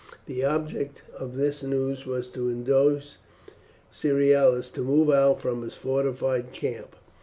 The object of this news was to induce Cerealis to move out from his fortified camp.